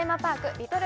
リトル